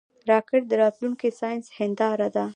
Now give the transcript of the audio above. راکټ د راتلونکي ساینس هنداره ده